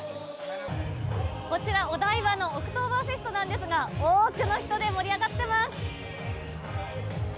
こちらお台場のオクトーバーフェストなんですが多くの人で盛り上がっています。